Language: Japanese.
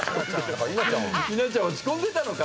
稲ちゃん落ち込んでたのか！